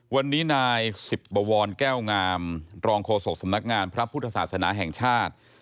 วันนี้นายสิบบวรแก้วงามรองโฆษกสำนักงานพระพุทธศาสนาแห่งชาติ